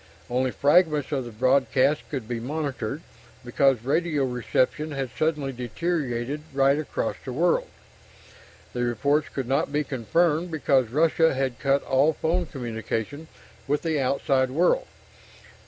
Only fragments of the broadcasts could be monitored, because radio reception had suddenly deteriorated right across the world. The reports could not be confirmed because Russia had cut all phone communication with the outside world.